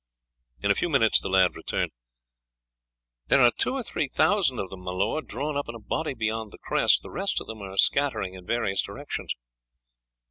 In a few minutes the lad returned. "There are two or three thousand of them, my lord, drawn up in a body beyond the crest; the rest of them are scattering in various directions."